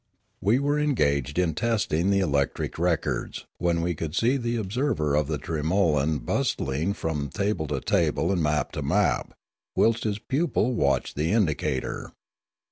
We were engaged in testing the electric records, when we could see the observer of the tremolan bustling from table to table and map to map, whilst his pupil watched the indicator.